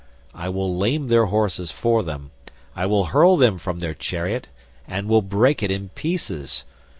I will lame their horses for them; I will hurl them from their chariot, and will break it in pieces.